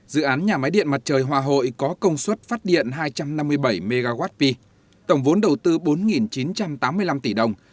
dự án nhà máy điện mặt trời hòa hội có công suất phát điện hai trăm năm mươi bảy mwp tổng vốn đầu tư bốn chín trăm tám mươi năm tỷ đồng